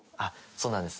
そうなんです。